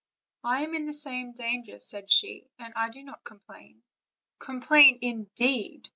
"I am in the same danger," said she, "and do not complain." "Complain, indeed!"